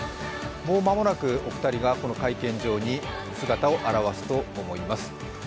もう間もなくお二人がこの会見場に姿を現すと思います。